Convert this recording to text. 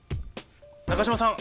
中島さん